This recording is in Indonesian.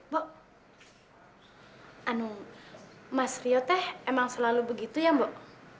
mas mas rio emang selalu begitu ya mbok